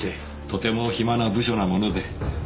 とても暇な部署なもので。